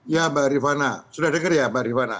ya mbak rifana sudah dengar ya mbak rifana